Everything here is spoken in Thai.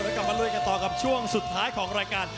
แล้วกลับมาลุยกันต่อกับช่วงสุดท้ายของรายการ